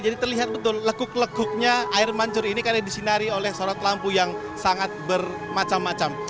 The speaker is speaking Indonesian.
jadi terlihat betul lekuk lekuknya air mancur ini karena disinari oleh sorot lampu yang sangat bermacam macam